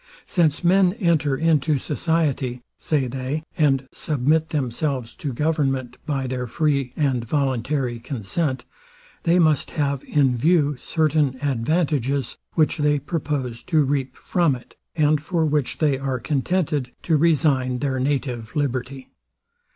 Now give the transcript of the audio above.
Since men enter into society, say they, and submit themselves to government, by their free and voluntary consent, they must have in view certain advantages, which they propose to reap from it, and for which they are contented to resign their native liberty.